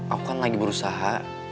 aku kan lagi berusaha